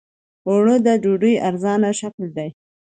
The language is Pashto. اوړه د ډوډۍ ارزانه شکل دی